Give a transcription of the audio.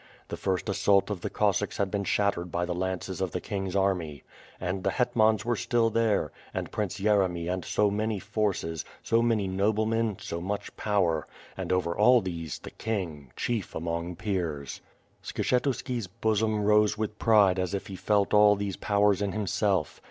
The first assault of the Cossacks had been shaittered by the lances of the king's army. And the hetmans were still there; and Prince Yere my and so many forces, so many noblemen, so much power; and over all these the king — chief among peers. Skshetuski's bosom rose with pride as if he felt all these powers in himself.